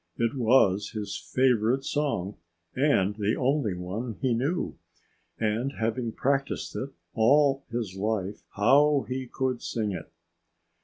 It was his favorite song and the only one he knew. And having practiced it all his life, how he could sing it!